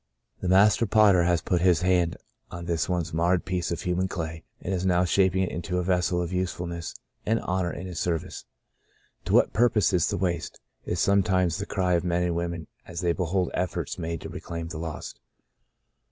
The Master Potter has put His hand on 1 70 The Lifted Bondage this once marred piece of human clay and is now shaping it into a vessel of usefulness and honour in His service. To what pur pose is the waste ?" is sometimes the cry of men and women as they behold efforts made to reclaim the lost.